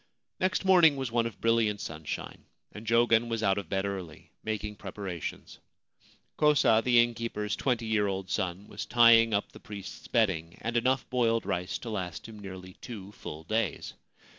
Next morning was one of brilliant sunshine, and Jogen was out of bed early, making preparations. Kosa, the innkeeper's twenty year old son, was tying up the priest's bedding and enough boiled rice to last him nearly two full days.